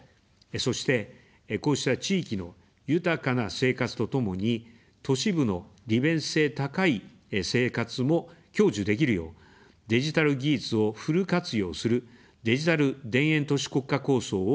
そして、こうした地域の豊かな生活とともに、都市部の利便性高い生活も享受できるよう、デジタル技術をフル活用する「デジタル田園都市国家構想」を進めます。